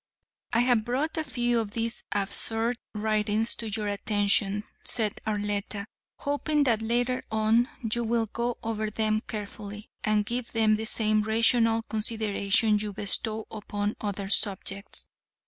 "I have brought a few of these absurd writings to your attention," said Arletta, "hoping that later on you will go over them carefully and give them the same rational consideration you bestow upon other subjects.